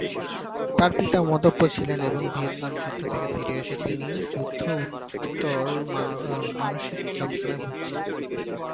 তার পিতা মদ্যপ ছিলেন এবং ভিয়েতনাম যুদ্ধ থেকে ফিরে এসে তিনি যুদ্ধ-উত্তর মানসিক যন্ত্রণায় ভুগছিলেন।